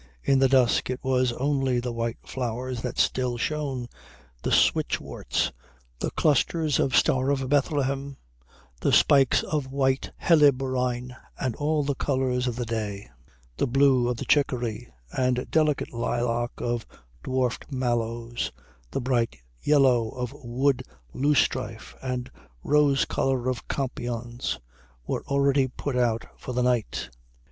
In the dusk it was only the white flowers that still shone, the stitchworts, the clusters of Star of Bethlehem, the spikes of white helleborine; and all the colours of the day, the blue of the chickory and delicate lilac of dwarf mallows, the bright yellow of wood loosestrife and rose colour of campions, were already put out for the night.